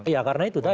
iya karena itu tadi